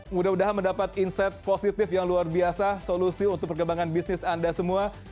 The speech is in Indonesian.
mudah mudahan mendapat insight positif yang luar biasa solusi untuk perkembangan bisnis anda semua